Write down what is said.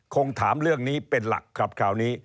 คงถามเรื่องนี้เป็นหลักครับคราวนี้